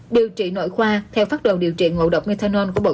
điều trị nội khoa theo phát đồn điều trị ngộ độc methanol của bộ y tế